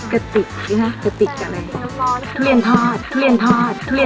เรียนทอด